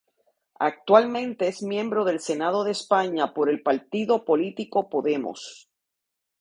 Actualmente es miembro del Senado de España por el partido político Podemos.